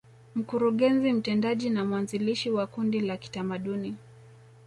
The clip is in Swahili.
Mkurugenzi Mtendaji na mwanzilishi wa Kundi la kitamaduni